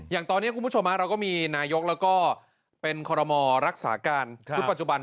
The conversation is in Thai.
อย่างตอนนี้คุณผู้ชมเราก็มีนายกแล้วก็เป็นคอรมอรักษาการชุดปัจจุบัน